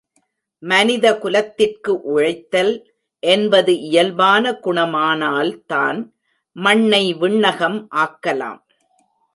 மனித குலத்திற்கு உழைத்தல் என்பது இயல்பான குணமானால்தான் மண்ணை விண்ணகம் ஆக்கலாம்.